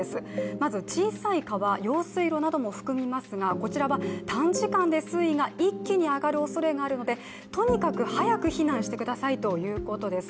まず小さい川、用水路なども含みますがこちらは短時間で一気に水位が上がるおそれがあるのでとにかく早く避難してくださいということです。